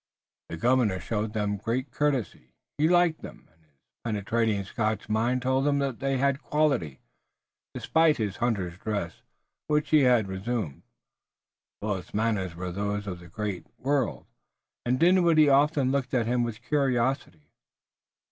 The governor showed them great courtesy. He liked them and his penetrating Scotch mind told him that they had quality. Despite his hunter's dress, which he had resumed, Willet's manners were those of the great world, and Dinwiddie often looked at him with curiosity.